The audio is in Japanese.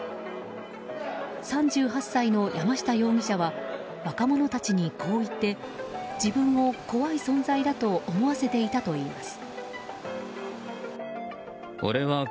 ３８歳の山下容疑者は若者たちにこう言って自分を怖い存在だと思わせていたといいます。